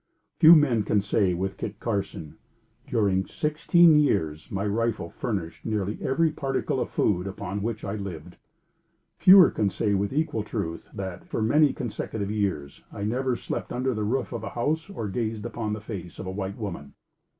Few men can say, with Kit Carson, "During sixteen years, my rifle furnished nearly every particle of food upon which I lived." Fewer can say with equal truth, that "For many consecutive years, I never slept under the roof of a house, or gazed upon the face of a white woman."